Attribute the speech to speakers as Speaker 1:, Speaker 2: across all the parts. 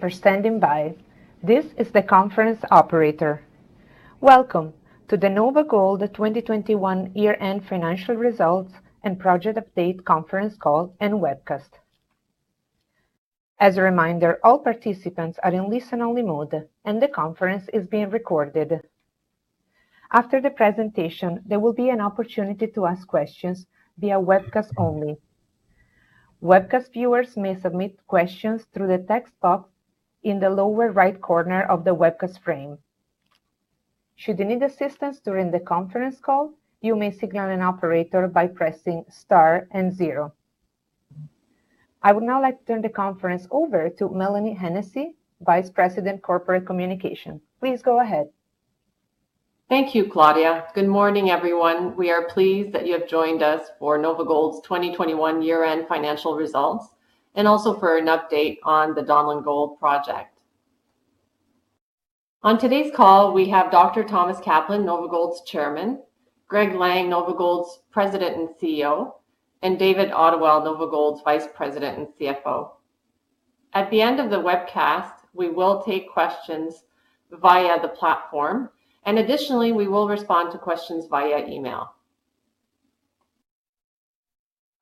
Speaker 1: Thank you for standing by. This is the conference operator. Welcome to the NovaGold 2021 year-end financial results and project update conference call and webcast. As a reminder, all participants are in listen only mode, and the conference is being recorded. After the presentation, there will be an opportunity to ask questions via webcast only. Webcast viewers may submit questions through the text box in the lower right corner of the webcast frame. Should you need assistance during the conference call, you may signal an operator by pressing star and zero. I would now like to turn the conference over to Mélanie Hennessey, Vice President, Corporate Communications. Please go ahead.
Speaker 2: Thank you, Claudia. Good morning, everyone. We are pleased that you have joined us for NovaGold's 2021 year-end financial results, and also for an update on the Donlin Gold project. On today's call we have Dr. Thomas Kaplan, NovaGold's Chairman, Greg Lang, NovaGold's President and CEO, and David Ottewell, NovaGold's Vice President and CFO. At the end of the webcast, we will take questions via the platform, and additionally, we will respond to questions via email.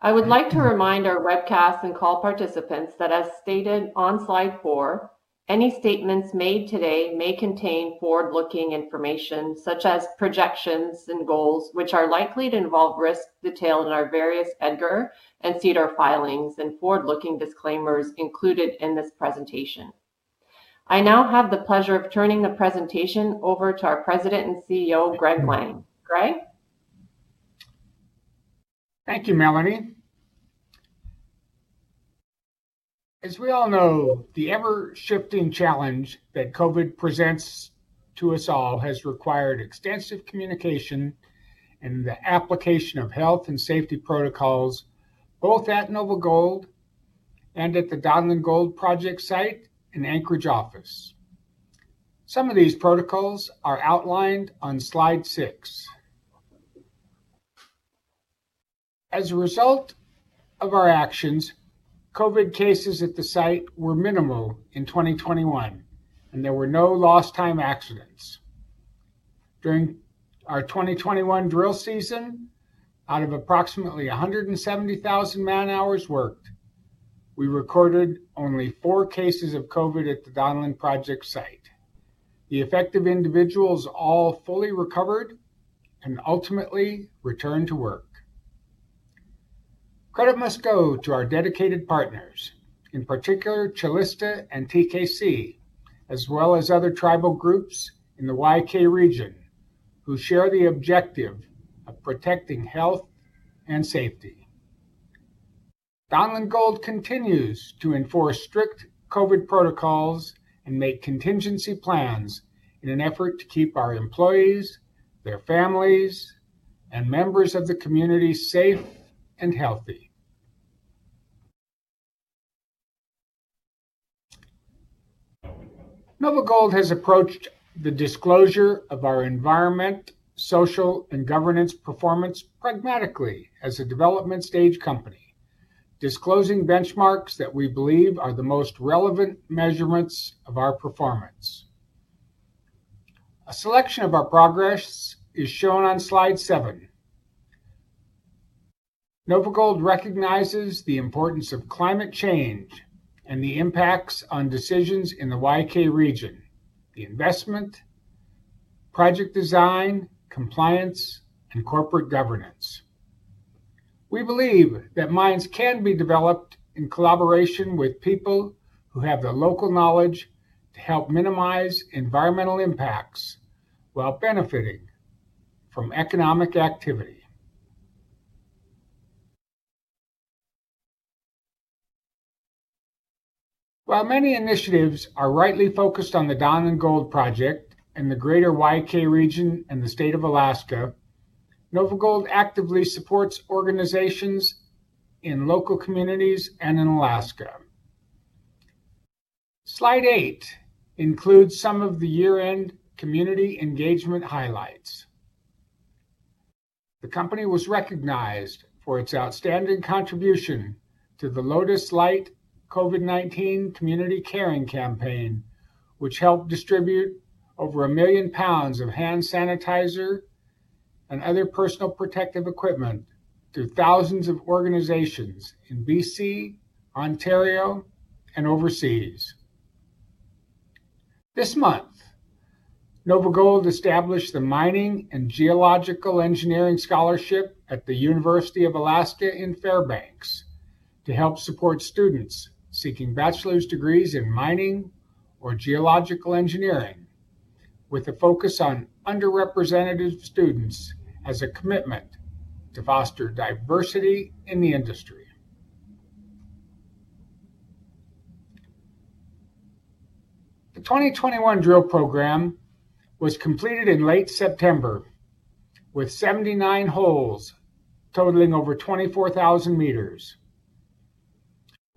Speaker 2: I would like to remind our webcast and call participants that as stated on Slide 4, any statements made today may contain forward-looking information such as projections and goals, which are likely to involve risks detailed in our various EDGAR and SEDAR filings and forward-looking disclaimers included in this presentation. I now have the pleasure of turning the presentation over to our President and CEO, Greg Lang. Greg?
Speaker 3: Thank you, Melanie. As we all know, the ever-shifting challenge that COVID presents to us all has required extensive communication and the application of health and safety protocols, both at NovaGold and at the Donlin Gold project site and Anchorage office. Some of these protocols are outlined on Slide 6. As a result of our actions, COVID cases at the site were minimal in 2021, and there were no lost time accidents. During our 2021 drill season, out of approximately 170,000 man hours worked, we recorded only 4 cases of COVID at the Donlin project site. The affected individuals all fully recovered and ultimately returned to work. Credit must go to our dedicated partners, in particular Calista and TKC, as well as other tribal groups in the YK region, who share the objective of protecting health and safety. Donlin Gold continues to enforce strict COVID protocols and make contingency plans in an effort to keep our employees, their families, and members of the community safe and healthy. NovaGold has approached the disclosure of our environment, social, and governance performance pragmatically as a development stage company, disclosing benchmarks that we believe are the most relevant measurements of our performance. A selection of our progress is shown on slide seven. NovaGold recognizes the importance of climate change and the impacts on decisions in the YK region, the investment, project design, compliance, and corporate governance. We believe that mines can be developed in collaboration with people who have the local knowledge to help minimize environmental impacts while benefiting from economic activity. While many initiatives are rightly focused on the Donlin Gold project and the greater YK region and the state of Alaska, NovaGold actively supports organizations in local communities and in Alaska. Slide 8 includes some of the year-end community engagement highlights. The company was recognized for its outstanding contribution to the Lotus Light COVID-19 Community Caring Campaign, which helped distribute over 1 million pounds of hand sanitizer and other personal protective equipment to thousands of organizations in BC, Ontario, and overseas. This month, NovaGold established the mining and geological engineering scholarship at the University of Alaska Fairbanks to help support students seeking bachelor's degrees in mining or geological engineering with a focus on underrepresented students as a commitment to foster diversity in the industry. The 2021 drill program was completed in late September with 79 holes totaling over 24,000 m.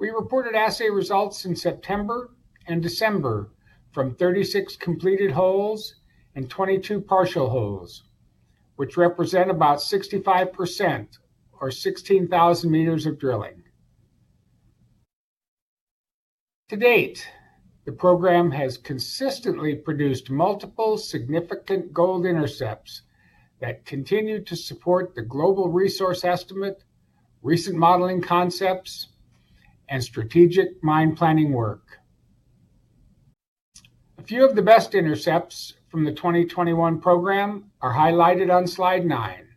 Speaker 3: We reported assay results in September and December from 36 completed holes and 22 partial holes which represent about 65% or 16,000 m of drilling. To date, the program has consistently produced multiple significant gold intercepts that continue to support the global resource estimate, recent modeling concepts, and strategic mine planning work. A few of the best intercepts from the 2021 program are highlighted on Slide 9,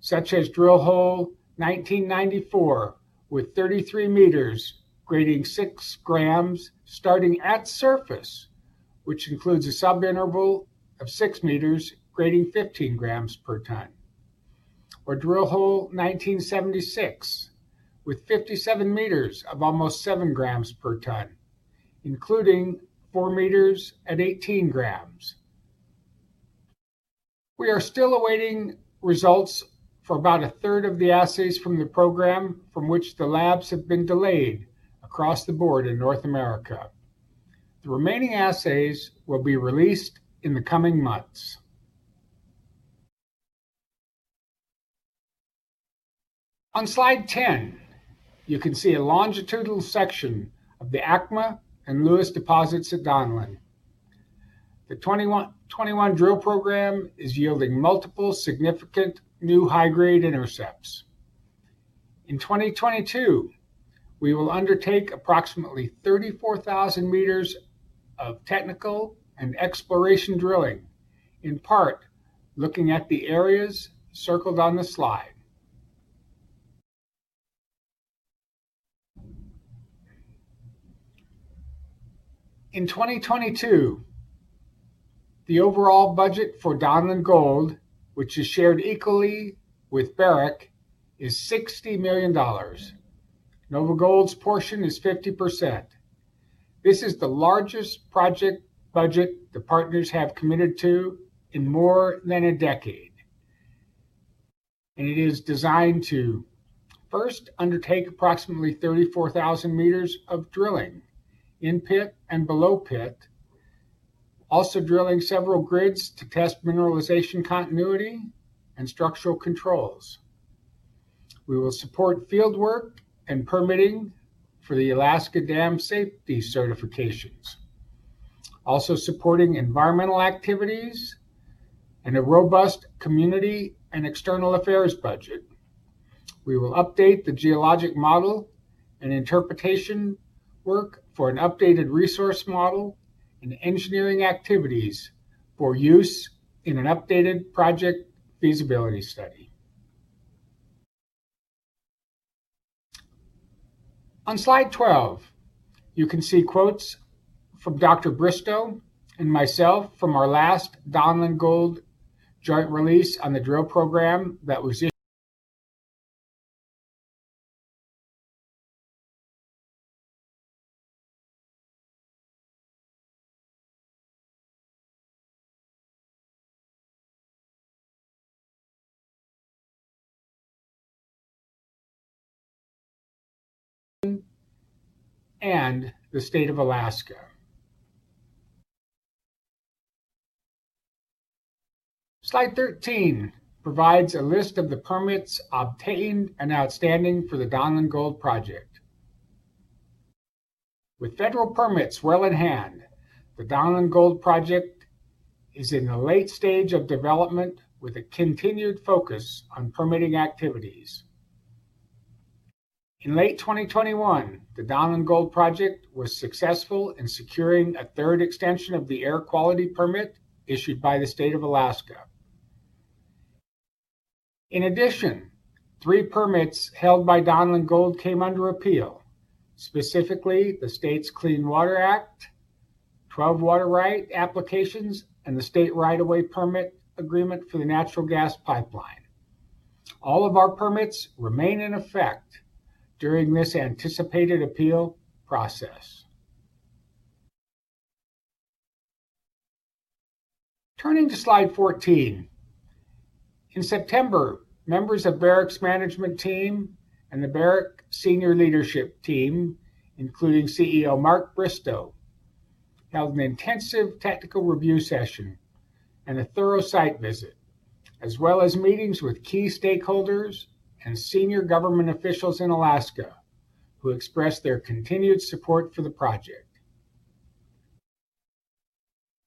Speaker 3: such as drill hole 1994 with 33 m grading 6 g starting at surface, which includes a subinterval of 6 m grading 15 g/t. Drill hole 1976 with 57 m of almost 7 g/t, including 4 m at 18 g. We are still awaiting results for about a third of the assays from the program, from which the labs have been delayed across the board in North America. The remaining assays will be released in the coming months. On Slide 10, you can see a longitudinal section of the ACMA and Lewis deposits at Donlin. The 2021 drill program is yielding multiple significant new high-grade intercepts. In 2022, we will undertake approximately 34,000 m of technical and exploration drilling, in part looking at the areas circled on the slide. In 2022, the overall budget for Donlin Gold, which is shared equally with Barrick, is $60 million. NovaGold's portion is 50%. This is the largest project budget the partners have committed to in more than a decade, and it is designed to, first, undertake approximately 34,000 m of drilling in pit and below pit. Also drilling several grids to test mineralization continuity and structural controls. We will support field work and permitting for the Alaska Dam Safety certifications. Also supporting environmental activities and a robust community and external affairs budget. We will update the geologic model and interpretation work for an updated resource model and engineering activities for use in an updated project feasibility study. On Slide 12, you can see quotes from Dr. Bristow and myself from our last Donlin Gold joint release on the drill program that was issued by the State of Alaska. Slide 13 provides a list of the permits obtained and outstanding for the Donlin Gold project. With federal permits well in hand, the Donlin Gold project is in the late stage of development with a continued focus on permitting activities. In late 2021, the Donlin Gold project was successful in securing a third extension of the air quality permit issued by the State of Alaska. In addition, 3 permits held by Donlin Gold came under appeal, specifically the state's Clean Water Act, 12 water right applications, and the state right of way permit agreement for the natural gas pipeline. All of our permits remain in effect during this anticipated appeal process. Turning to Slide 14. In September, members of Barrick's management team and the Barrick senior leadership team, including CEO Mark Bristow, held an intensive technical review session and a thorough site visit, as well as meetings with key stakeholders and senior government officials in Alaska who expressed their continued support for the project.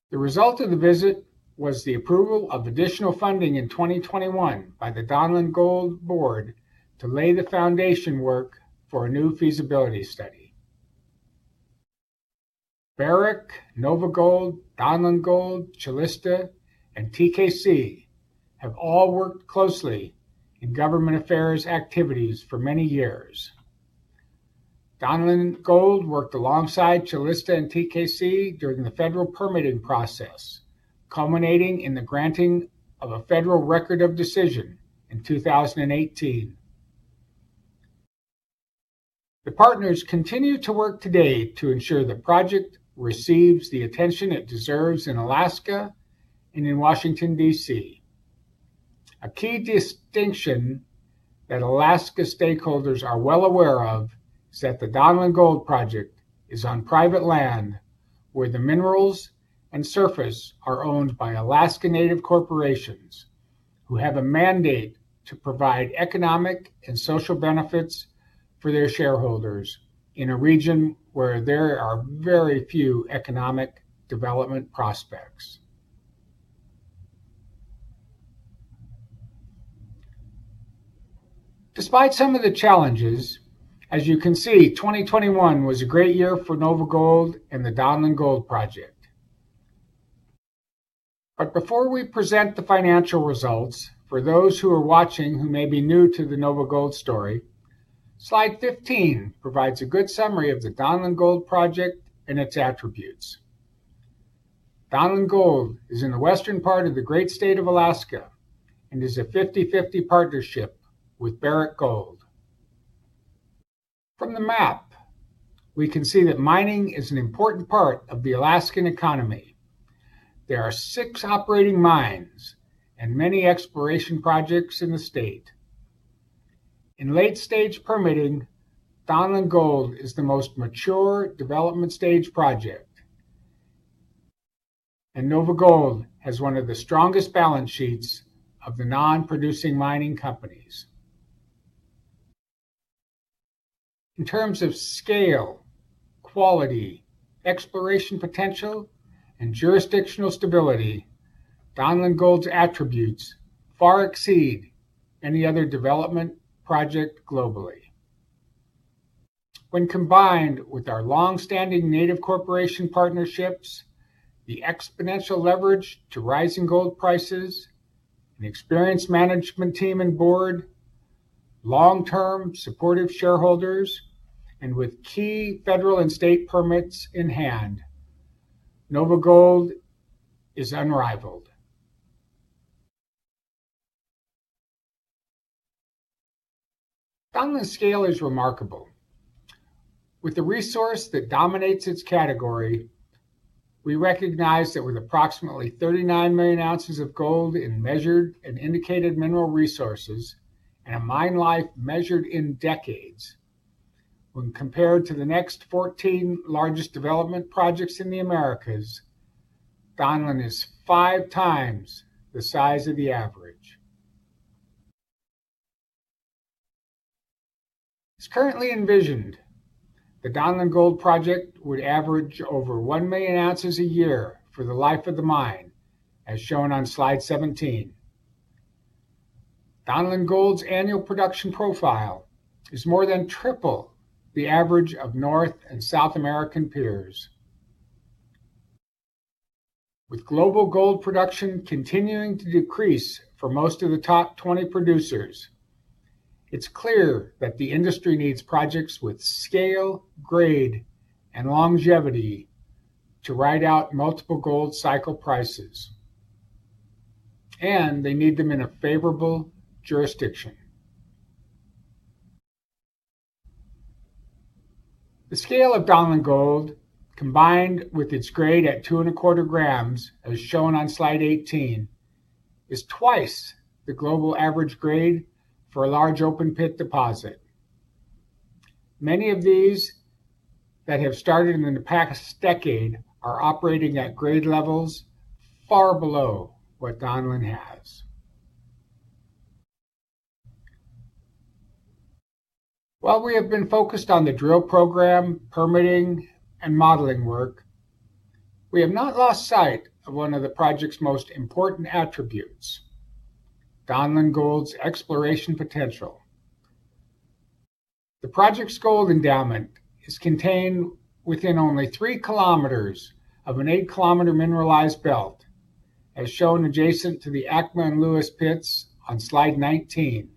Speaker 3: The result of the visit was the approval of additional funding in 2021 by the Donlin Gold board to lay the foundation work for a new feasibility study. Barrick, NovaGold, Donlin Gold, Calista, and TKC have all worked closely in government affairs activities for many years. Donlin Gold worked alongside Calista and TKC during the federal permitting process, culminating in the granting of a federal Record of Decision in 2018. The partners continue to work today to ensure the project receives the attention it deserves in Alaska and in Washington, D.C. A key distinction that Alaska stakeholders are well aware of is that the Donlin Gold project is on private land, where the minerals and surface are owned by Alaska Native Corporations, who have a mandate to provide economic and social benefits for their shareholders in a region where there are very few economic development prospects. Despite some of the challenges, as you can see, 2021 was a great year for NovaGold and the Donlin Gold project. Before we present the financial results, for those who are watching who may be new to the NovaGold story, Slide 15 provides a good summary of the Donlin Gold project and its attributes. Donlin Gold is in the western part of the great state of Alaska and is a 50/50 partnership with Barrick Gold. From the map, we can see that mining is an important part of the Alaskan economy. There are six operating mines and many exploration projects in the state. In late stage permitting, Donlin Gold is the most mature development stage project, and NovaGold has one of the strongest balance sheets of the non-producing mining companies. In terms of scale, quality, exploration potential, and jurisdictional stability, Donlin Gold's attributes far exceed any other development project globally. When combined with our long-standing native corporation partnerships, the exponential leverage to rising gold prices, an experienced management team and board, long-term supportive shareholders, and with key federal and state permits in hand, NovaGold is unrivaled. Donlin's scale is remarkable. With the resource that dominates its category, we recognize that with approximately 39 million ounces of gold in measured and indicated mineral resources and a mine life measured in decades, when compared to the next 14 largest development projects in the Americas, Donlin is five times the size of the average. As currently envisioned, the Donlin Gold project would average over 1 million ounces a year for the life of the mine, as shown on Slide 17. Donlin Gold's annual production profile is more than triple the average of North and South American peers. With global gold production continuing to decrease for most of the top 20 producers, it's clear that the industry needs projects with scale, grade, and longevity to ride out multiple gold cycle prices, and they need them in a favorable jurisdiction. The scale of Donlin Gold, combined with its grade at 2.25 g, as shown on Slide 18, is twice the global average grade for a large open pit deposit. Many of these that have started in the past decade are operating at grade levels far below what Donlin has. While we have been focused on the drill program, permitting, and modeling work, we have not lost sight of one of the project's most important attributes, Donlin Gold's exploration potential. The project's gold endowment is contained within only 3 km of an 8-km mineralized belt, as shown adjacent to the ACMA and Lewis pits on Slide 19,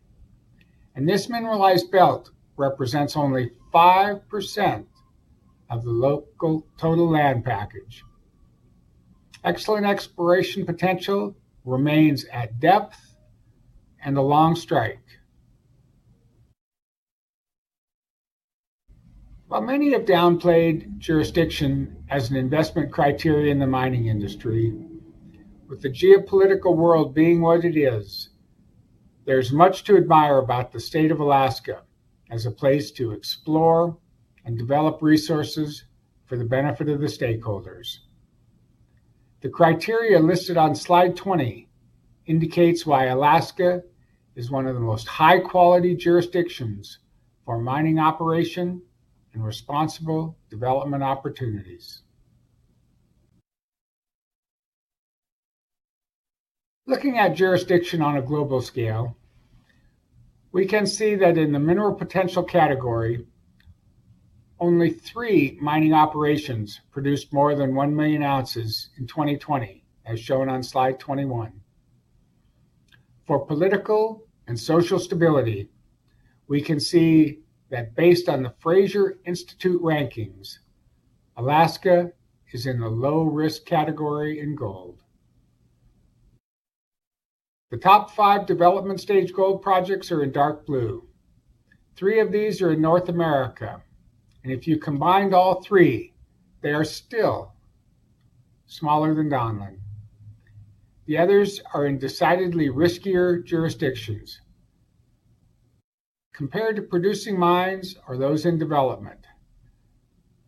Speaker 3: and this mineralized belt represents only 5% of the local total land package. Excellent exploration potential remains at depth and along strike. While many have downplayed jurisdiction as an investment criteria in the mining industry, with the geopolitical world being what it is, there's much to admire about the state of Alaska as a place to explore and develop resources for the benefit of the stakeholders. The criteria listed on Slide 20 indicates why Alaska is one of the most high-quality jurisdictions for mining operation and responsible development opportunities. Looking at jurisdiction on a global scale, we can see that in the mineral potential category, only three mining operations produced more than 1 million ounces in 2020, as shown on Slide 21. For political and social stability, we can see that based on the Fraser Institute rankings, Alaska is in the low-risk category in gold. The top five development stage gold projects are in dark blue. Three of these are in North America, and if you combined all three, they are still smaller than Donlin. The others are in decidedly riskier jurisdictions. Compared to producing mines or those in development,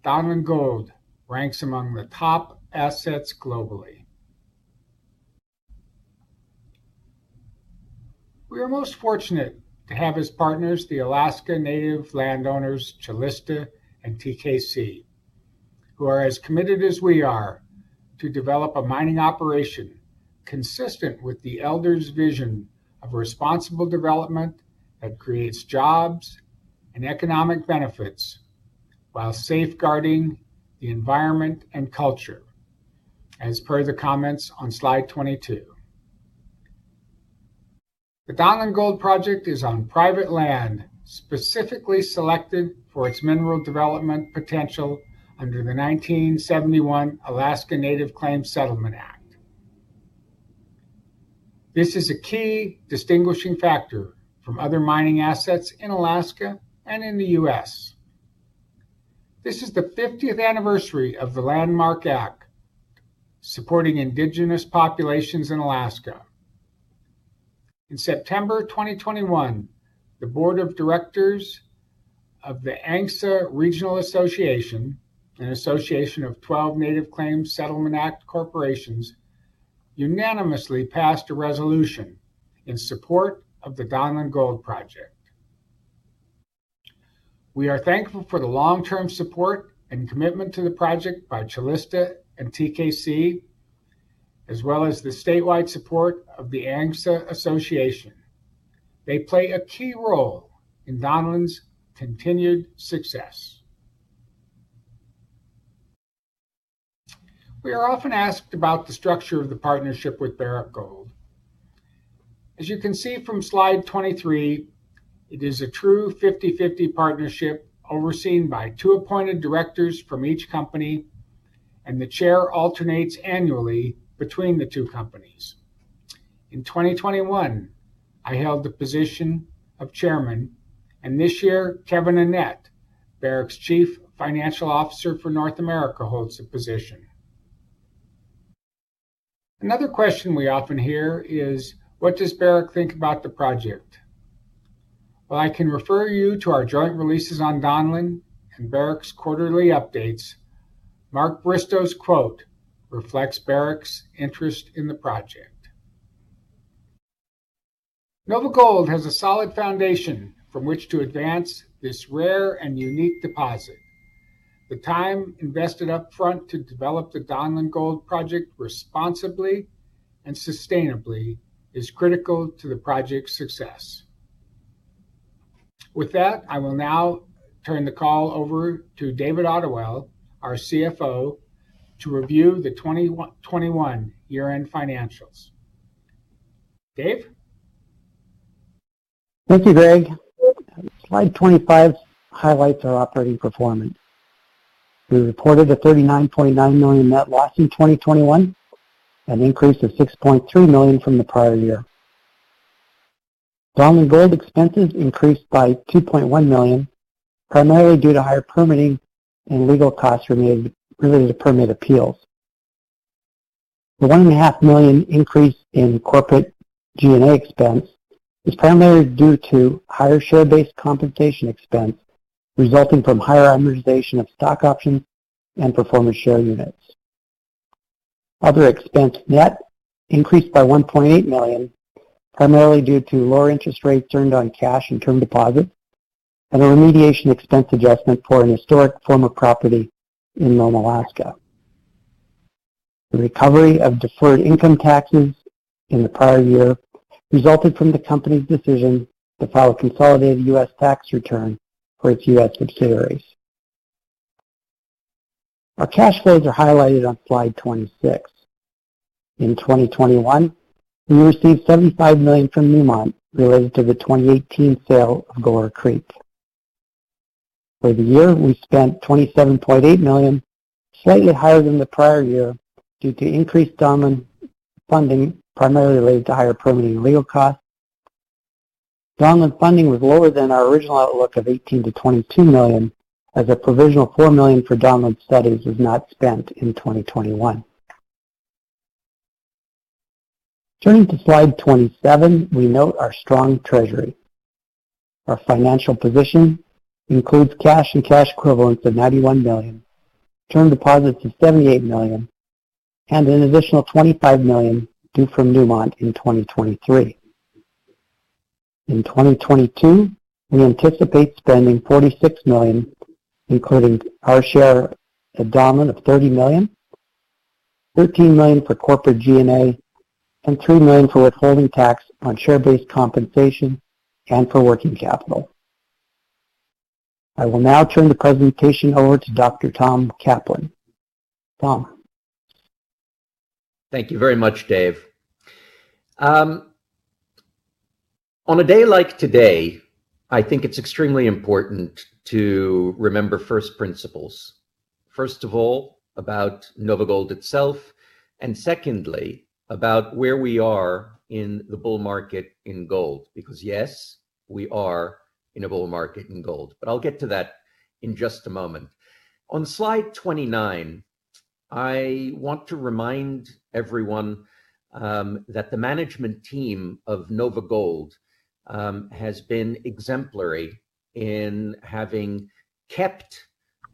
Speaker 3: Donlin Gold ranks among the top assets globally. We are most fortunate to have as partners the Alaska Native landowners Calista and TKC, who are as committed as we are to develop a mining operation consistent with the elders' vision of responsible development that creates jobs and economic benefits while safeguarding the environment and culture, as per the comments on Slide 22. The Donlin Gold project is on private land, specifically selected for its mineral development potential under the 1971 Alaska Native Claims Settlement Act. This is a key distinguishing factor from other mining assets in Alaska and in the U.S. This is the 50th anniversary of the landmark act supporting indigenous populations in Alaska. In September 2021, the board of directors of the ANCSA Regional Association, an association of 12 Native Claims Settlement Act corporations, unanimously passed a resolution in support of the Donlin Gold project. We are thankful for the long-term support and commitment to the project by Calista and TKC, as well as the statewide support of the ANCSA Regional Association. They play a key role in Donlin's continued success. We are often asked about the structure of the partnership with Barrick Gold. As you can see from Slide 23, it is a true 50/50 partnership overseen by two appointed directors from each company, and the chair alternates annually between the two companies. In 2021, I held the position of chairman, and this year, Kevin Annett, Barrick's Chief Financial Officer for North America, holds the position. Another question we often hear is, what does Barrick think about the project? While I can refer you to our joint releases on Donlin and Barrick's quarterly updates, Mark Bristow's quote reflects Barrick's interest in the project. NovaGold has a solid foundation from which to advance this rare and unique deposit. The time invested up front to develop the Donlin Gold project responsibly and sustainably is critical to the project's success. With that, I will now turn the call over to David Ottewell, our CFO, to review the 21 year-end financials. Dave?
Speaker 4: Thank you, Greg. Slide 25 highlights our operating performance. We reported a $39.9 million net loss in 2021, an increase of $6.3 million from the prior year. Donlin Gold expenses increased by $2.1 million, primarily due to higher permitting and legal costs related to permit appeals. The $1.5 million increase in corporate G&A expense is primarily due to higher share-based compensation expense resulting from higher amortization of stock options and performance share units. Other expense net increased by $1.8 million, primarily due to lower interest rates earned on cash and term deposits and a remediation expense adjustment for an historic former property in Nome, Alaska. The recovery of deferred income taxes in the prior year resulted from the company's decision to file a consolidated U.S. tax return for its U.S. subsidiaries. Our cash flows are highlighted on Slide 26. In 2021, we received $75 million from Newmont related to the 2018 sale of Galore Creek. For the year, we spent $27.8 million, slightly higher than the prior year due to increased Donlin funding, primarily related to higher permitting and legal costs. Donlin funding was lower than our original outlook of $18 million-$22 million, as a provisional $4 million for Donlin studies was not spent in 2021. Turning to Slide 27, we note our strong treasury. Our financial position includes cash and cash equivalents of $91 million, term deposits of $78 million, and an additional $25 million due from Newmont in 2023. In 2022, we anticipate spending $46 million, including our share at Donlin of $30 million, $13 million for corporate G&A, and $3 million for withholding tax on share-based compensation and for working capital. I will now turn the presentation over to Dr. Tom Kaplan. Tom?
Speaker 5: Thank you very much, Dave. On a day like today, I think it's extremely important to remember first principles, first of all, about NovaGold itself, and secondly, about where we are in the bull market in gold, because yes, we are in a bull market in gold. I'll get to that. In just a moment. On Slide 29, I want to remind everyone that the management team of NovaGold has been exemplary in having kept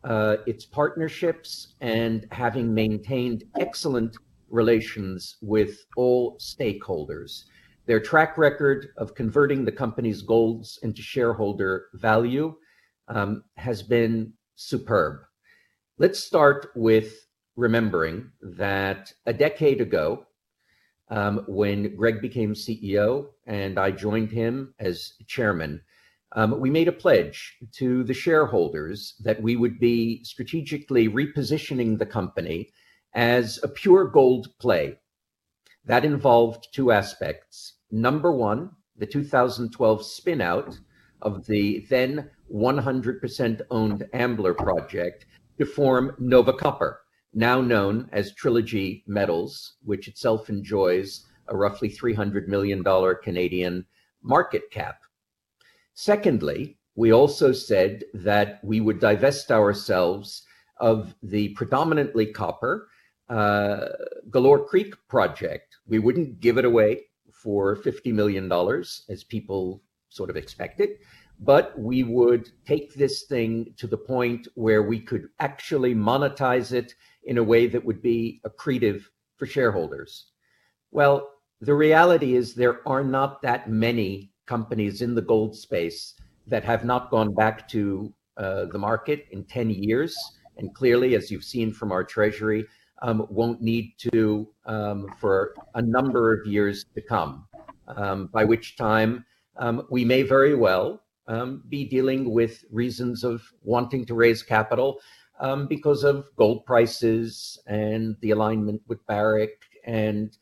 Speaker 5: its partnerships and having maintained excellent relations with all stakeholders. Their track record of converting the company's goals into shareholder value has been superb. Let's start with remembering that a decade ago, when Greg became CEO and I joined him as Chairman, we made a pledge to the shareholders that we would be strategically repositioning the company as a pure gold play. That involved two aspects. 1, the 2012 spin out of the then 100% owned Ambler project to form NovaCopper, now known as Trilogy Metals, which itself enjoys a roughly 300 million Canadian dollars Canadian market cap. Secondly, we also said that we would divest ourselves of the predominantly copper Galore Creek project. We wouldn't give it away for $50 million as people sort of expected, but we would take this thing to the point where we could actually monetize it in a way that would be accretive for shareholders. Well, the reality is there are not that many companies in the gold space that have not gone back to the market in 10 years, and clearly, as you've seen from our treasury, won't need to for a number of years to come. By which time, we may very well be dealing with reasons of wanting to raise capital because of gold prices and the alignment with Barrick and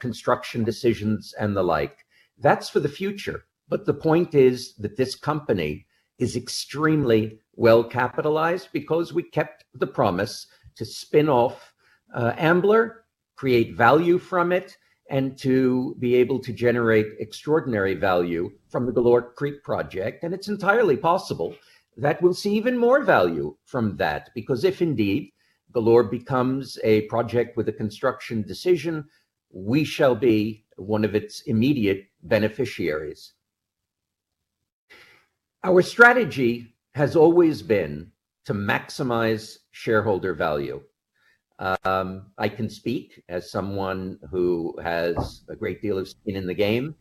Speaker 5: construction decisions and the like. That's for the future. The point is that this company is extremely well-capitalized because we kept the promise to spin off, Ambler, create value from it, and to be able to generate extraordinary value from the Galore Creek project. It's entirely possible that we'll see even more value from that, because if indeed Galore Creek becomes a project with a construction decision, we shall be one of its immediate beneficiaries. Our strategy has always been to maximize shareholder value. I can speak as someone who has a great deal of skin in the game.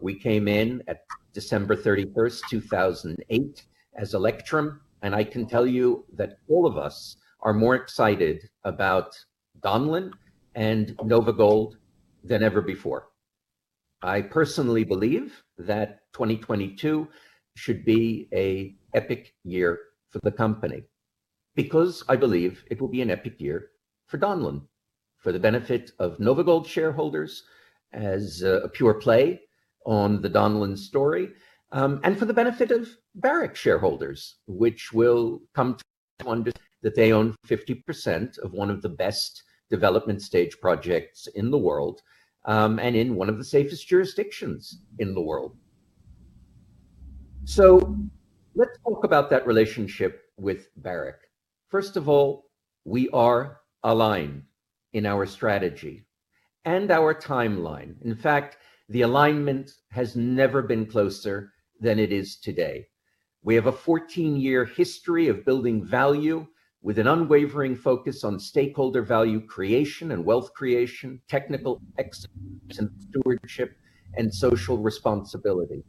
Speaker 5: We came in at December 31st, 2008 as Electrum, and I can tell you that all of us are more excited about Donlin and NovaGold than ever before. I personally believe that 2022 should be an epic year for the company because I believe it will be an epic year for Donlin, for the benefit of NovaGold shareholders as a pure play on the Donlin story, and for the benefit of Barrick shareholders, which will come to wonder that they own 50% of one of the best development stage projects in the world, and in one of the safest jurisdictions in the world. Let's talk about that relationship with Barrick. First of all, we are aligned in our strategy and our timeline. In fact, the alignment has never been closer than it is today. We have a 14-year history of building value with an unwavering focus on stakeholder value creation and wealth creation, technical excellence, stewardship, and social responsibility.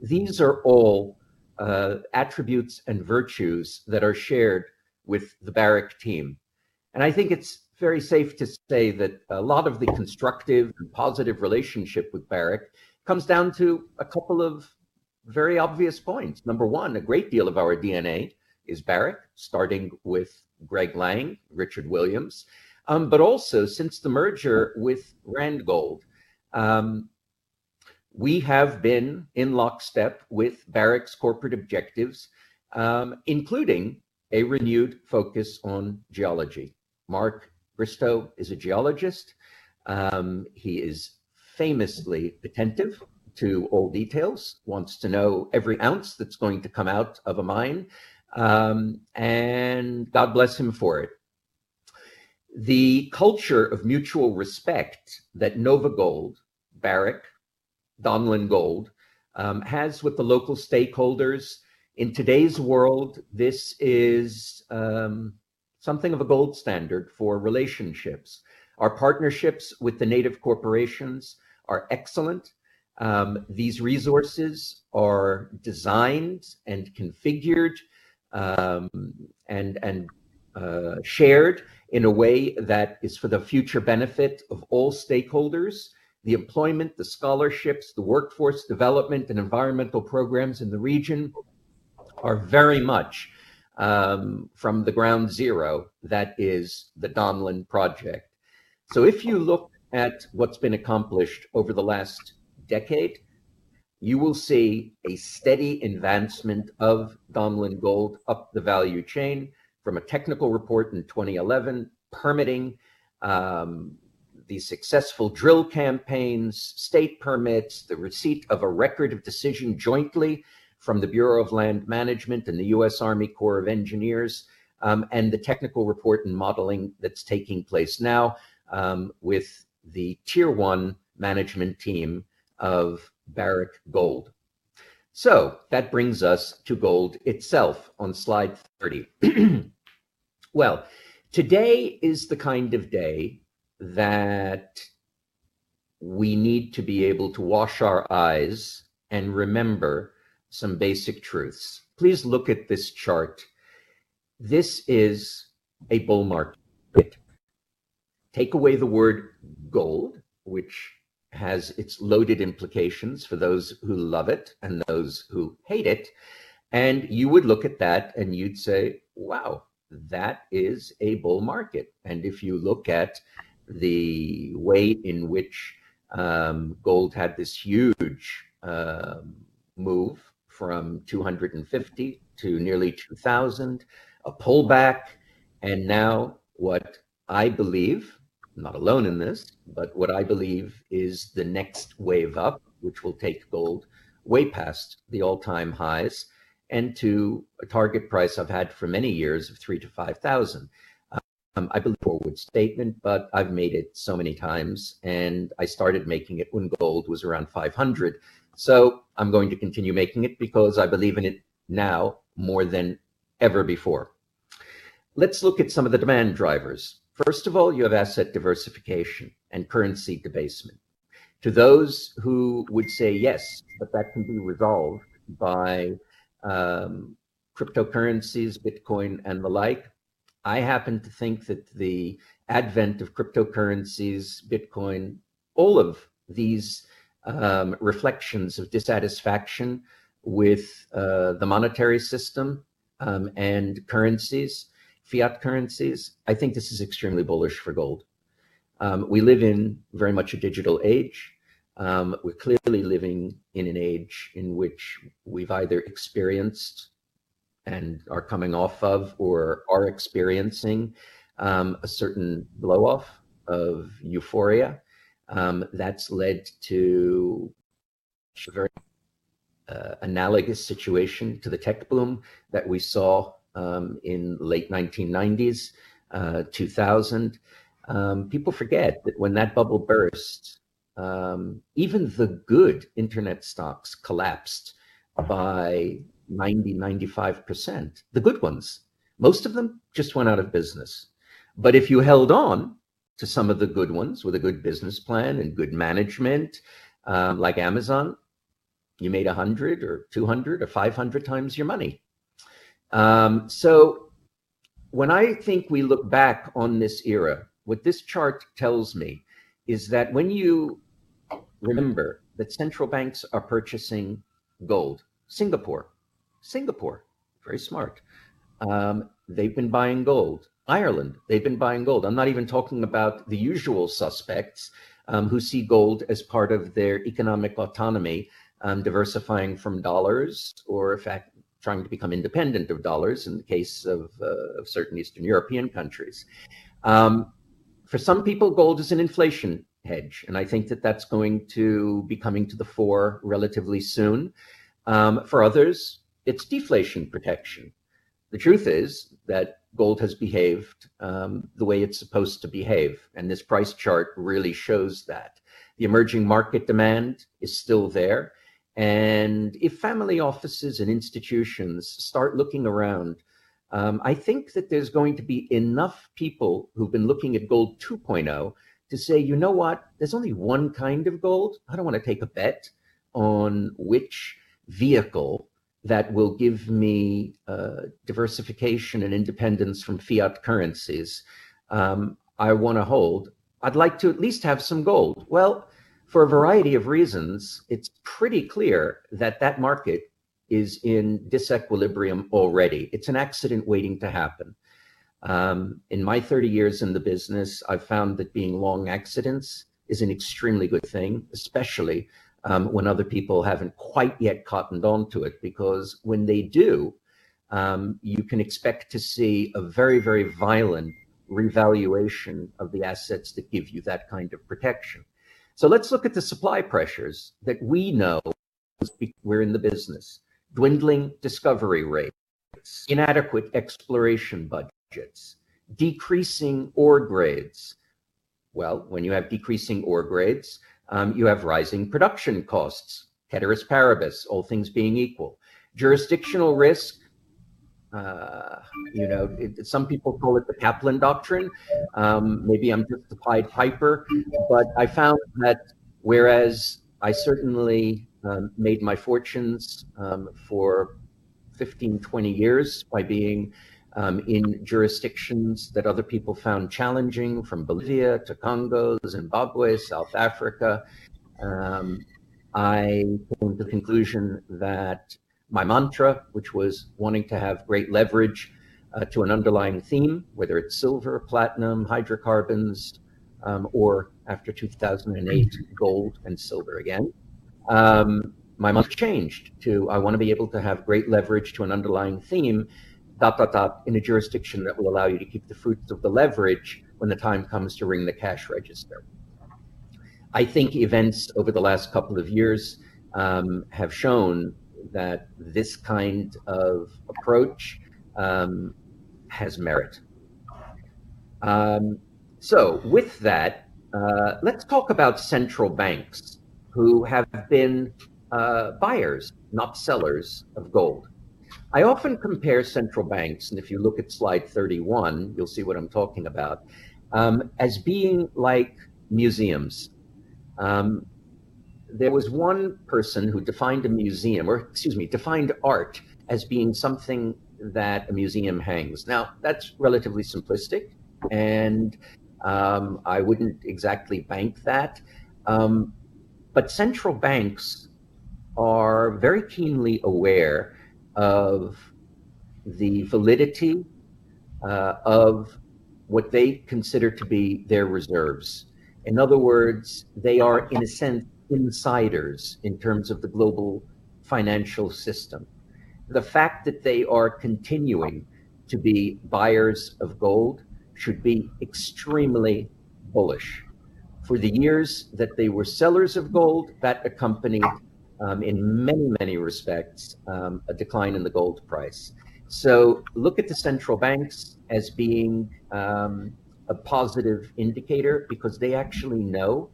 Speaker 5: These are all, attributes and virtues that are shared with the Barrick team. I think it's very safe to say that a lot of the constructive and positive relationship with Barrick comes down to a couple of very obvious points. Number one, a great deal of our DNA is Barrick, starting with Greg Lang, Richard Williams. But also since the merger with Randgold, we have been in lockstep with Barrick's corporate objectives, including a renewed focus on geology. Mark Bristow is a geologist. He is famously attentive to all details, wants to know every ounce that's going to come out of a mine, and God bless him for it. The culture of mutual respect that NovaGold, Barrick, Donlin Gold, has with the local stakeholders, in today's world, this is, something of a gold standard for relationships. Our partnerships with the native corporations are excellent. These resources are designed and configured, and shared in a way that is for the future benefit of all stakeholders. The employment, the scholarships, the workforce development, and environmental programs in the region are very much from the ground up that is the Donlin project. If you look at what's been accomplished over the last decade, you will see a steady advancement of Donlin Gold up the value chain from a technical report in 2011, permitting, the successful drill campaigns, state permits, the receipt of a Record of Decision jointly from the Bureau of Land Management and the U.S. Army Corps of Engineers, and the technical report and modeling that's taking place now with the tier one management team of Barrick Gold. That brings us to gold itself on Slide 30. Well, today is the kind of day that we need to be able to wash our eyes and remember some basic truths. Please look at this chart. This is a bull market. Take away the word gold, which has its loaded implications for those who love it and those who hate it. You would look at that and you'd say, "Wow, that is a bull market." If you look at the way in which gold had this huge move from $250 to nearly $2,000, a pullback, and now what I believe, I'm not alone in this, but what I believe is the next wave up, which will take gold way past the all-time highs and to a target price I've had for many years of $3,000-$5,000. I believe forward-looking statement, but I've made it so many times, and I started making it when gold was around $500. I'm going to continue making it because I believe in it now more than ever before. Let's look at some of the demand drivers. First of all, you have asset diversification and currency debasement. To those who would say, "Yes, but that can be resolved by cryptocurrencies, Bitcoin, and the like," I happen to think that the advent of cryptocurrencies, Bitcoin, all of these, reflections of dissatisfaction with the monetary system and currencies, fiat currencies. I think this is extremely bullish for gold. We live in very much a digital age. We're clearly living in an age in which we've either experienced and are coming off of or are experiencing a certain blow-off of euphoria that's led to a very analogous situation to the tech boom that we saw in late 1990s, 2000. People forget that when that bubble burst, even the good internet stocks collapsed by 90%-95%. The good ones. Most of them just went out of business. If you held on to some of the good ones with a good business plan and good management, like Amazon, you made 100 or 200 or 500 times your money. When I think we look back on this era, what this chart tells me is that when you remember that central banks are purchasing gold. Singapore, very smart. They've been buying gold. Ireland, they've been buying gold. I'm not even talking about the usual suspects, who see gold as part of their economic autonomy, diversifying from dollars or in fact, trying to become independent of dollars in the case of certain Eastern European countries. For some people, gold is an inflation hedge, and I think that that's going to be coming to the fore relatively soon. For others, it's deflation protection. The truth is that gold has behaved, the way it's supposed to behave, and this price chart really shows that. The emerging market demand is still there. If family offices and institutions start looking around, I think that there's going to be enough people who've been looking at Gold 2.0 to say, "You know what? There's only one kind of gold. I don't wanna take a bet on which vehicle that will give me, diversification and independence from fiat currencies, I wanna hold. I'd like to at least have some gold." For a variety of reasons, it's pretty clear that that market is in disequilibrium already. It's an accident waiting to happen. In my 30 years in the business, I've found that being long accidents is an extremely good thing, especially, when other people haven't quite yet cottoned on to it. Because when they do, you can expect to see a very, very violent revaluation of the assets that give you that kind of protection. Let's look at the supply pressures that we know 'cause we're in the business. Dwindling discovery rates, inadequate exploration budgets, decreasing ore grades. Well, when you have decreasing ore grades, you have rising production costs, ceteris paribus, all things being equal. Jurisdictional risk, you know, some people call it the Kaplan Doctrine. Maybe I'm just applying hyperbole, but I found that whereas I certainly made my fortunes for 15, 20 years by being in jurisdictions that other people found challenging, from Bolivia to Congo, Zimbabwe, South Africa, I came to the conclusion that my mantra, which was wanting to have great leverage to an underlying theme, whether it's silver, platinum, hydrocarbons, or after 2008, gold and silver again, my mind changed to I want to be able to have great leverage to an underlying theme in a jurisdiction that will allow you to keep the fruits of the leverage when the time comes to ring the cash register. I think events over the last couple of years have shown that this kind of approach has merit. With that, let's talk about central banks who have been buyers, not sellers of gold. I often compare central banks, and if you look at Slide 31, you'll see what I'm talking about, as being like museums. There was one person who defined a museum, or excuse me, defined art as being something that a museum hangs. Now, that's relatively simplistic, and, I wouldn't exactly bank that. Central banks are very keenly aware of the validity of what they consider to be their reserves. In other words, they are, in a sense, insiders in terms of the global financial system. The fact that they are continuing to be buyers of gold should be extremely bullish. For the years that they were sellers of gold, that accompanied, in many, many respects, a decline in the gold price. Look at the central banks as being a positive indicator because they actually know,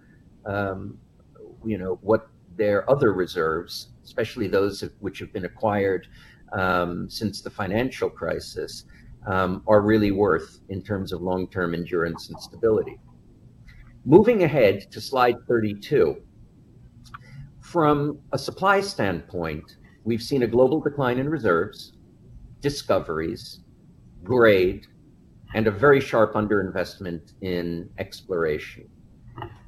Speaker 5: you know, what their other reserves, especially those which have been acquired since the financial crisis, are really worth in terms of long-term endurance and stability. Moving ahead to Slide 32. From a supply standpoint, we've seen a global decline in reserves, discoveries, grade, and a very sharp underinvestment in exploration.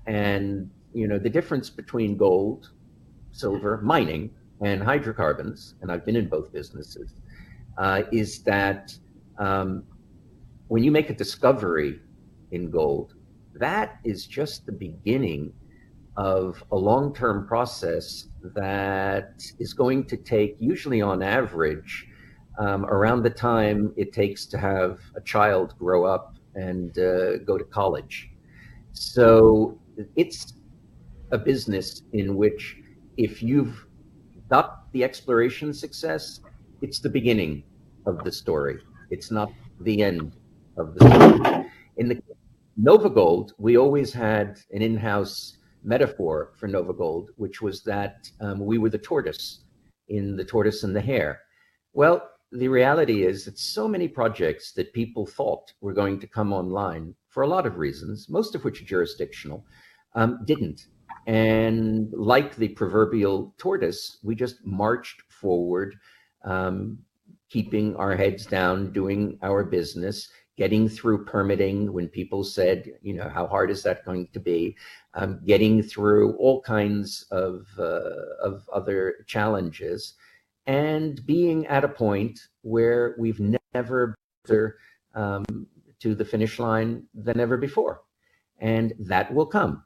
Speaker 5: You know, the difference between gold, silver mining, and hydrocarbons, and I've been in both businesses, is that when you make a discovery in gold, that is just the beginning of a long-term process that is going to take usually on average around the time it takes to have a child grow up and go to college. So it's a business in which if you've got the exploration success, it's the beginning of the story. It's not the end of the story. In the NovaGold, we always had an in-house metaphor for NovaGold, which was that we were the tortoise in The Tortoise and the Hare. Well, the reality is that so many projects that people thought were going to come online for a lot of reasons, most of which are jurisdictional, didn't. Like the proverbial tortoise, we just marched forward, keeping our heads down, doing our business, getting through permitting when people said, you know, how hard is that going to be, getting through all kinds of other challenges and being at a point where we've never been closer to the finish line than ever before. That will come.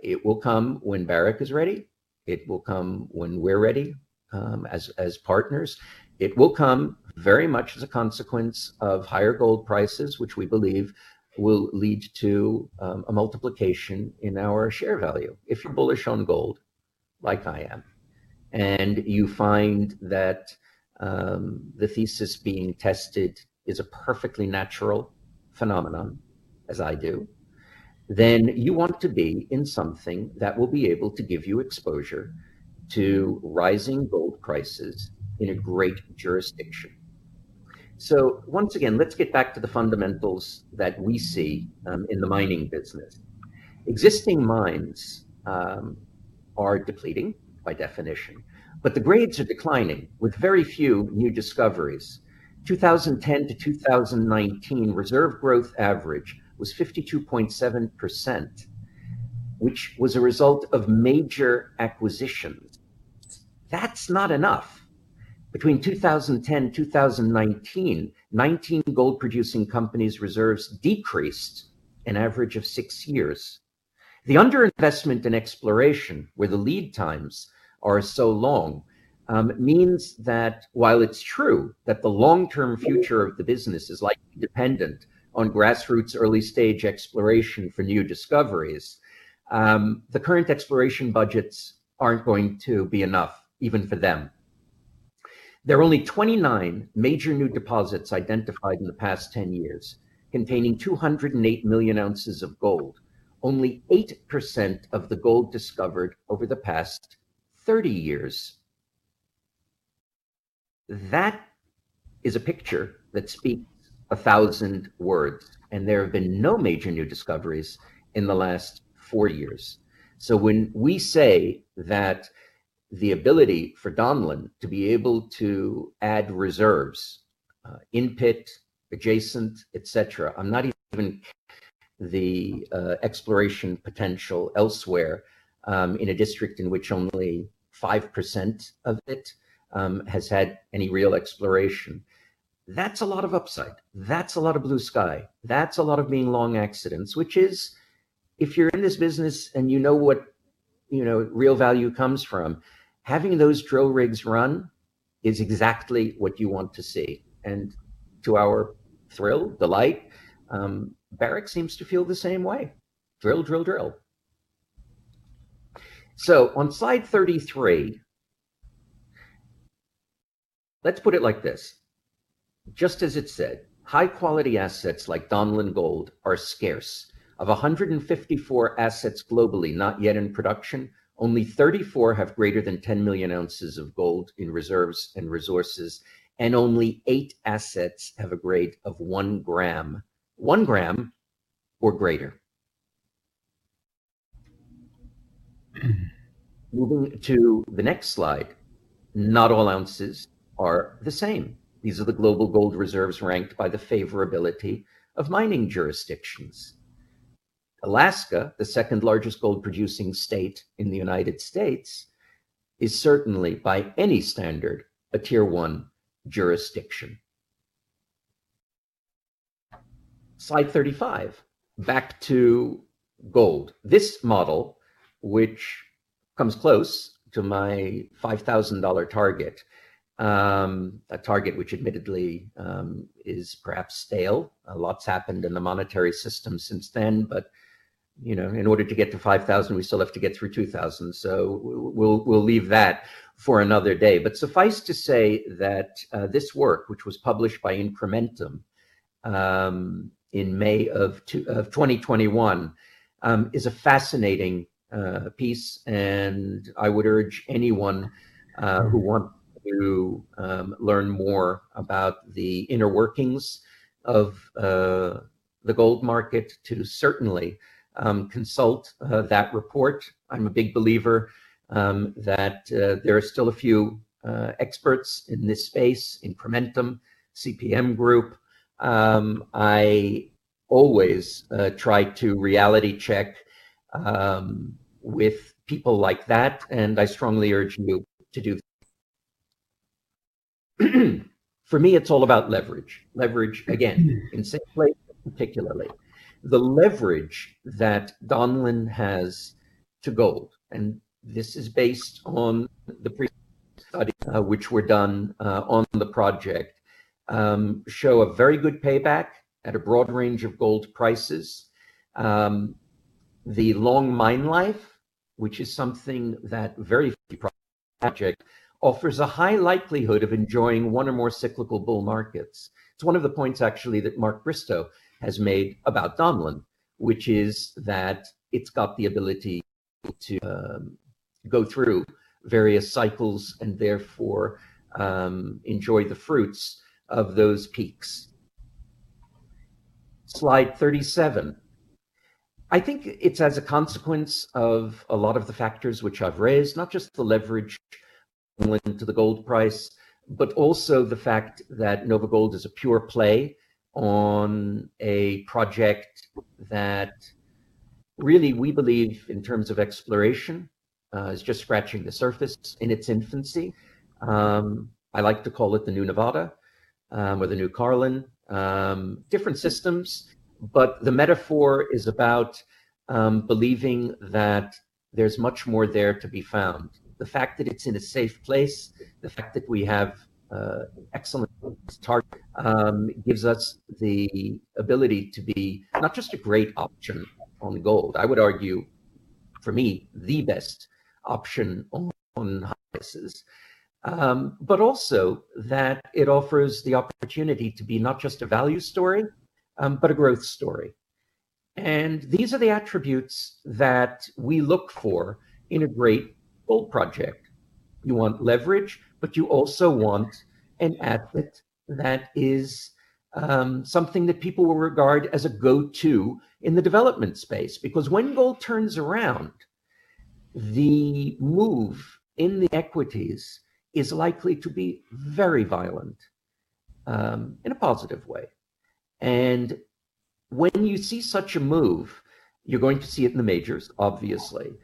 Speaker 5: It will come when Barrick is ready. It will come when we're ready, as partners. It will come very much as a consequence of higher gold prices, which we believe will lead to a multiplication in our share value. If you're bullish on gold, like I am, and you find that, the thesis being tested is a perfectly natural phenomenon, as I do, then you want to be in something that will be able to give you exposure to rising gold prices in a great jurisdiction. Once again, let's get back to the fundamentals that we see, in the mining business. Existing mines are depleting by definition, but the grades are declining with very few new discoveries. 2010-2019 reserve growth average was 52.7%, which was a result of major acquisitions. That's not enough. Between 2010 and 2019, 19 gold producing companies' reserves decreased an average of six years. The underinvestment in exploration where the lead times are so long, means that while it's true that the long-term future of the business is likely dependent on grassroots early stage exploration for new discoveries, the current exploration budgets aren't going to be enough even for them. There are only 29 major new deposits identified in the past 10 years containing 208 million ounces of gold, only 8% of the gold discovered over the past 30 years. That is a picture that speaks 1,000 words, and there have been no major new discoveries in the last 4 years. When we say that the ability for Donlin to be able to add reserves, in pit, adjacent, et cetera, exploration potential elsewhere, in a district in which only 5% of it has had any real exploration. That's a lot of upside. That's a lot of blue sky. That's a lot of mine-long assets, which is if you're in this business and you know what, you know, real value comes from, having those drill rigs run is exactly what you want to see. To our thrill, delight, Barrick seems to feel the same way. Drill, drill. On Slide 33, let's put it like this. Just as it said, high-quality assets like Donlin Gold are scarce. Of 154 assets globally not yet in production, only 34 have greater than 10 million ounces of gold in reserves and resources, and only 8 assets have a grade of 1 g or greater. Moving to the next slide, not all ounces are the same. These are the global gold reserves ranked by the favorability of mining jurisdictions. Alaska, the second largest gold producing state in the United States, is certainly by any standard, a Tier 1 jurisdiction. Slide 35, back to gold. This model, which comes close to my $5,000 target, a target which admittedly is perhaps stale. A lot's happened in the monetary system since then, but in order to get to $5,000, we still have to get through $2,000. We'll leave that for another day. Suffice to say that this work, which was published by Incrementum in May of 2021, is a fascinating piece, and I would urge anyone who want to learn more about the inner workings of the gold market to certainly consult that report. I'm a big believer that there are still a few experts in this space, Incrementum, CPM Group. I always try to reality check with people like that, and I strongly urge you to do. For me, it's all about leverage. Leverage, again, in safe place, particularly. The leverage that Donlin has to gold, and this is based on the pre-study which were done on the project show a very good payback at a broad range of gold prices. The long mine life, which is something that every project offers a high likelihood of enjoying one or more cyclical bull markets. It's one of the points actually that Mark Bristow has made about Donlin, which is that it's got the ability to go through various cycles and therefore enjoy the fruits of those peaks. Slide 37. I think it's as a consequence of a lot of the factors which I've raised, not just the leverage into the gold price, but also the fact that NovaGold is a pure play on a project that really we believe in terms of exploration is just scratching the surface in its infancy. I like to call it the new Nevada or the new Carlin. Different systems, but the metaphor is about believing that there's much more there to be found. The fact that it's in a safe place, the fact that we have excellent target, gives us the ability to be not just a great option on gold. I would argue for me, the best option on prices, but also that it offers the opportunity to be not just a value story, but a growth story. These are the attributes that we look for in a great gold project. You want leverage, but you also want an asset that is something that people will regard as a go-to in the development space. Because when gold turns around, the move in the equities is likely to be very violent in a positive way. When you see such a move, you're going to see it in the majors, obviously.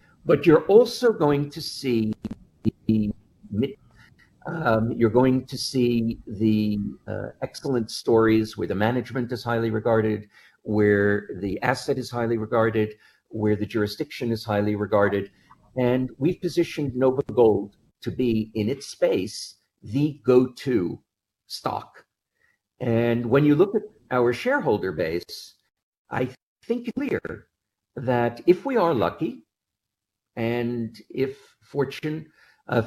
Speaker 5: You're also going to see the excellent stories where the management is highly regarded, where the asset is highly regarded, where the jurisdiction is highly regarded. We've positioned NovaGold to be in its space, the go-to stock. When you look at our shareholder base, I think it's clear that if we are lucky, and if fortune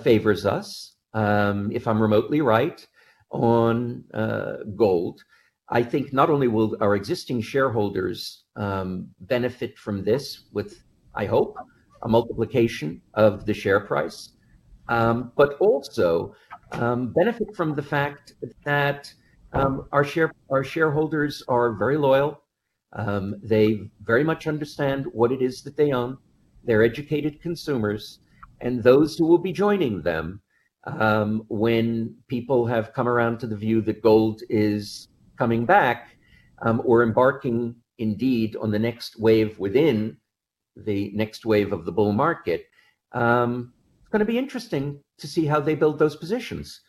Speaker 5: favors us, if I'm remotely right on gold, I think not only will our existing shareholders benefit from this with, I hope, a multiplication of the share price, but also benefit from the fact that our shareholders are very loyal. They very much understand what it is that they own. They're educated consumers, and those who will be joining them, when people have come around to the view that gold is coming back, or embarking indeed on the next wave within the next wave of the bull market, it's gonna be interesting to see how they build those positions.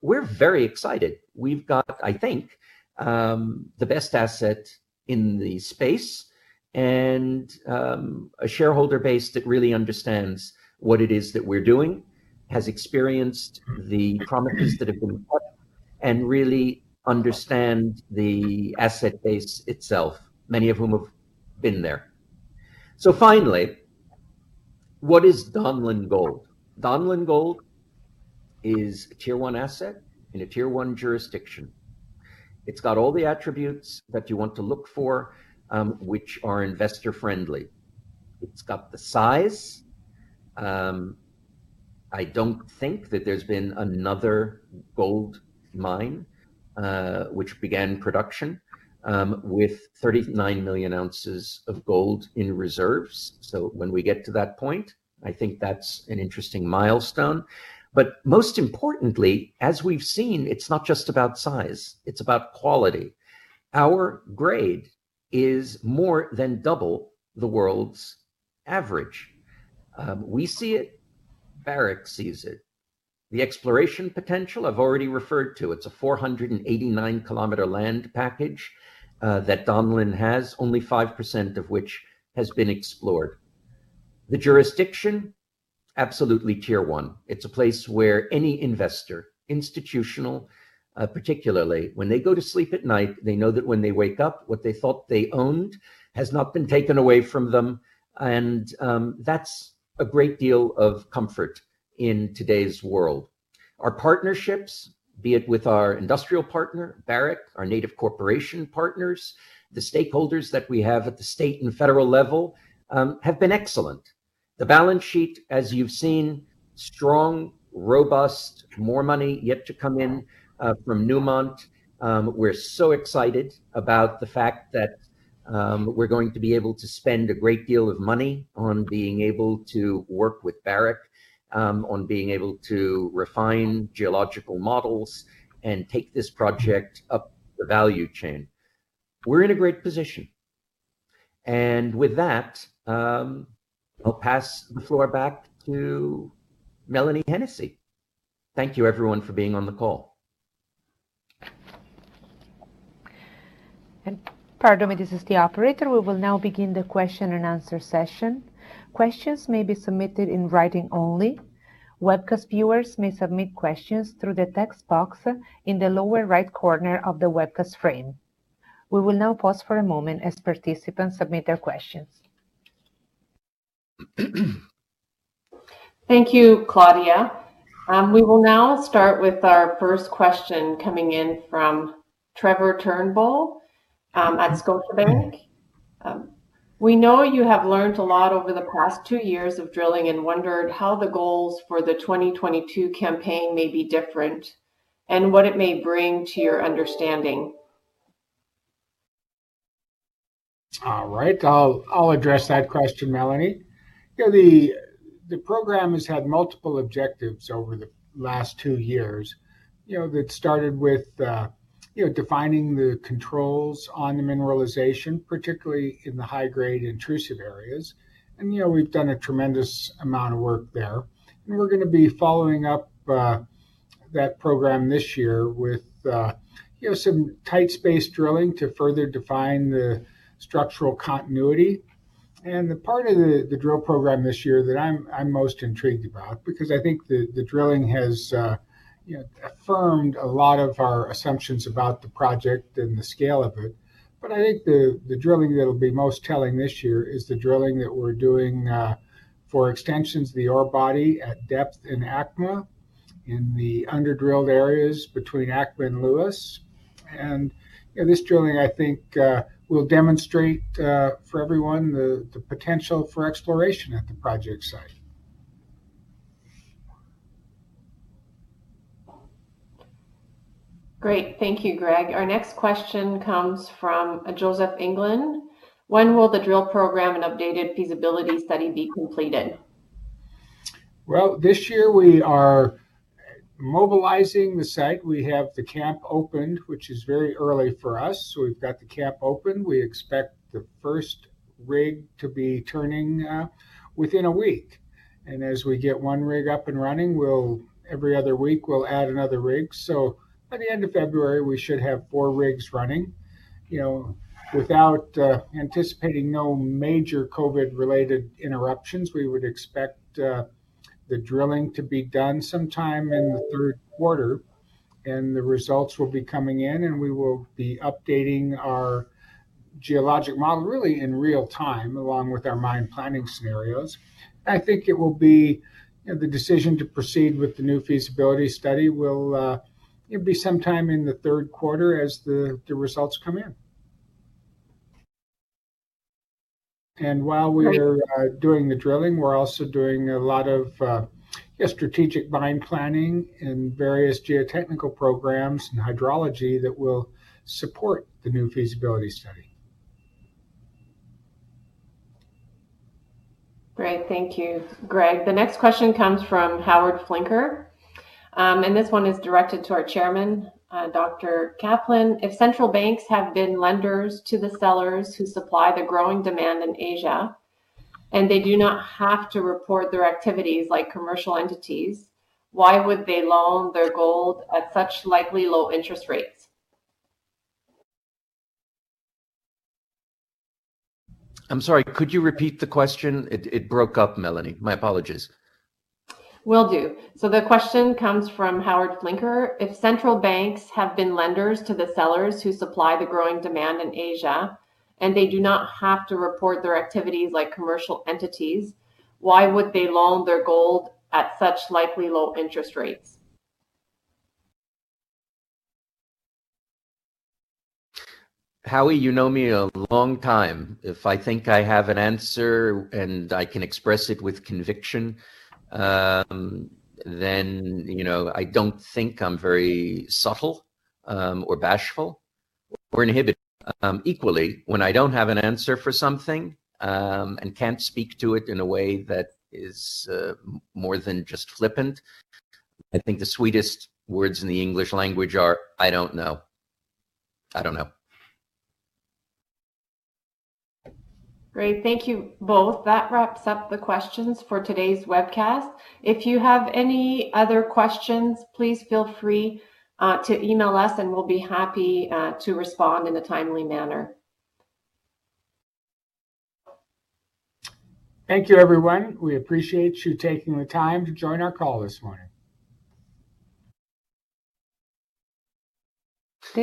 Speaker 5: We're very excited. We've got, I think, the best asset in the space and, a shareholder base that really understands what it is that we're doing, has experienced the promises that have been made, and really understand the asset base itself, many of whom have been there. Finally, what is Donlin Gold? Donlin Gold is a tier one asset in a tier one jurisdiction. It's got all the attributes that you want to look for, which are investor friendly. It's got the size. I don't think that there's been another gold mine, which began production, with 39 million ounces of gold in reserves. When we get to that point, I think that's an interesting milestone. Most importantly, as we've seen, it's not just about size, it's about quality. Our grade is more than double the world's average. We see it, Barrick sees it. The exploration potential I've already referred to. It's a 489 km land package that Donlin has, only 5% of which has been explored. The jurisdiction, absolutely tier one. It's a place where any investor, institutional particularly, when they go to sleep at night, they know that when they wake up, what they thought they owned has not been taken away from them, and that's a great deal of comfort in today's world. Our partnerships, be it with our industrial partner, Barrick, our native corporation partners, the stakeholders that we have at the state and federal level, have been excellent. The balance sheet, as you've seen, strong, robust, more money yet to come in, from Newmont. We're so excited about the fact that, we're going to be able to spend a great deal of money on being able to work with Barrick, on being able to refine geological models and take this project up the value chain. We're in a great position. With that, I'll pass the floor back to Mélanie Hennessey. Thank you everyone for being on the call.
Speaker 1: Pardon me, this is the operator. We will now begin the question and answer session. Questions may be submitted in writing only. Webcast viewers may submit questions through the text box in the lower right corner of the webcast frame. We will now pause for a moment as participants submit their questions.
Speaker 2: Thank you, Claudia. We will now start with our first question coming in from Trevor Turnbull at Scotiabank. We know you have learned a lot over the past 2 years of drilling and wondered how the goals for the 2022 campaign may be different and what it may bring to your understanding.
Speaker 3: All right. I'll address that question, Melanie. You know, the program has had multiple objectives over the last two years, you know, that started with, you know, defining the controls on the mineralization, particularly in the high grade intrusive areas. You know, we've done a tremendous amount of work there. We're gonna be following up that program this year with, you know, some tight space drilling to further define the structural continuity. The part of the drill program this year that I'm most intrigued about because I think the drilling has, you know, affirmed a lot of our assumptions about the project and the scale of it. I think the drilling that'll be most telling this year is the drilling that we're doing for extensions of the ore body at depth in ACMA, in the under-drilled areas between ACMA and Lewis. This drilling I think will demonstrate for everyone the potential for exploration at the project site.
Speaker 2: Great. Thank you, Greg. Our next question comes from Joseph England. When will the drill program and updated feasibility study be completed?
Speaker 3: Well, this year we are mobilizing the site. We have the camp opened, which is very early for us. We've got the camp open. We expect the first rig to be turning within a week. As we get one rig up and running, every other week, we'll add another rig. By the end of February, we should have four rigs running. You know, without anticipating no major COVID related interruptions, we would expect the drilling to be done sometime in the third quarter, and the results will be coming in, and we will be updating our geologic model really in real time, along with our mine planning scenarios. I think it will be, you know, the decision to proceed with the new feasibility study will, it'll be sometime in the third quarter as the results come in. While we're doing the drilling, we're also doing a lot of strategic mine planning and various geotechnical programs and hydrology that will support the new feasibility study.
Speaker 2: Great. Thank you, Greg. The next question comes from Howard Flinker, and this one is directed to our chairman, Dr. Kaplan. If central banks have been lenders to the sellers who supply the growing demand in Asia, and they do not have to report their activities like commercial entities, why would they loan their gold at such likely low interest rates?
Speaker 5: I'm sorry, could you repeat the question? It broke up, Melanie. My apologies.
Speaker 2: Will do. The question comes from Howard Flinker. If central banks have been lenders to the sellers who supply the growing demand in Asia, and they do not have to report their activities like commercial entities, why would they loan their gold at such likely low interest rates?
Speaker 5: Howie, you know me a long time. If I think I have an answer and I can express it with conviction, then, you know, I don't think I'm very subtle, or bashful or inhibited. Equally, when I don't have an answer for something, and can't speak to it in a way that is more than just flippant, I think the sweetest words in the English language are, "I don't know." I don't know.
Speaker 2: Great. Thank you both. That wraps up the questions for today's webcast. If you have any other questions, please feel free to email us, and we'll be happy to respond in a timely manner.
Speaker 3: Thank you, everyone. We appreciate you taking the time to join our call this morning.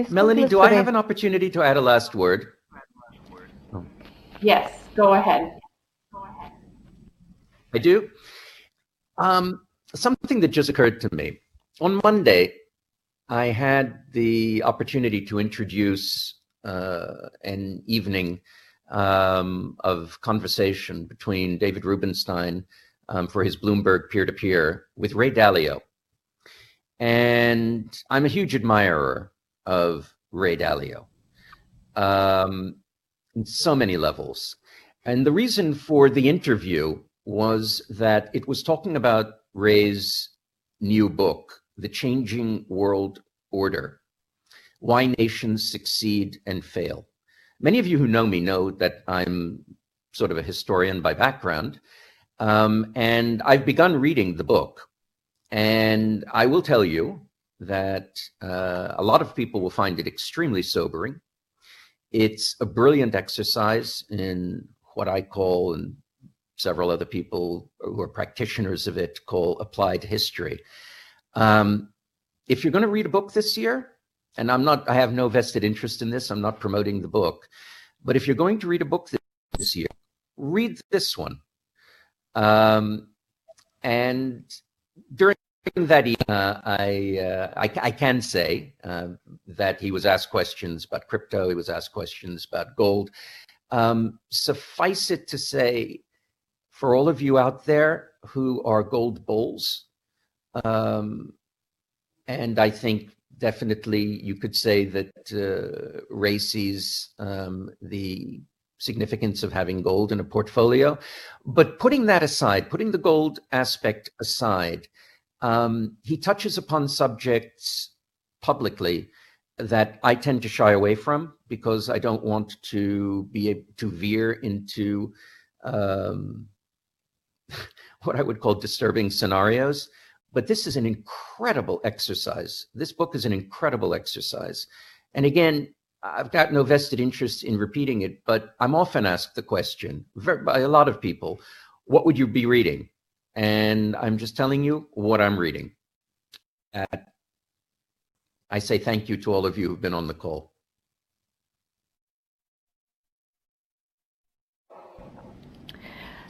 Speaker 5: Mélanie, do I have an opportunity to add a last word?
Speaker 2: Yes, go ahead.
Speaker 5: I do? Something that just occurred to me. On Monday, I had the opportunity to introduce an evening of conversation between David Rubenstein for his Bloomberg Peer to Peer with Ray Dalio. I'm a huge admirer of Ray Dalio in so many levels. The reason for the interview was that it was talking about Ray's new book, The Changing World Order: Why Nations Succeed and Fail. Many of you who know me know that I'm sort of a historian by background, and I've begun reading the book. I will tell you that a lot of people will find it extremely sobering. It's a brilliant exercise in what I call, and several other people who are practitioners of it call, applied history. If you're gonna read a book this year, and I'm not. I have no vested interest in this. I'm not promoting the book. If you're going to read a book this year, read this one. During that evening, I can say that he was asked questions about crypto. He was asked questions about gold. Suffice it to say, for all of you out there who are gold bulls, and I think definitely you could say that, Ray sees the significance of having gold in a portfolio. Putting that aside, putting the gold aspect aside, he touches upon subjects publicly that I tend to shy away from because I don't want to veer into what I would call disturbing scenarios. This is an incredible exercise. This book is an incredible exercise. again, I've got no vested interest in repeating it, but I'm often asked the question by a lot of people, "What would you be reading?" I'm just telling you what I'm reading. I say thank you to all of you who've been on the call.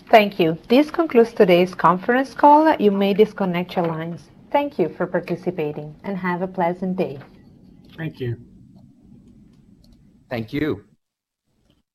Speaker 1: Thank you. This concludes today's conference call. You may disconnect your lines. Thank you for participating, and have a pleasant day.
Speaker 3: Thank you.
Speaker 5: Thank you.